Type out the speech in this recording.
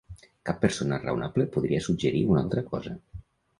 Cap persona raonable podria suggerir una altra cosa.